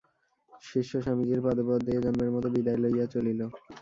শিষ্য স্বামীজীর পাদপদ্মে এ-জন্মের মত বিদায় লইয়া চলিল।